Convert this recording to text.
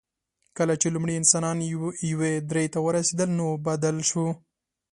کله چې لومړي انسانان یوې درې ته ورسېدل، نو بدل شو.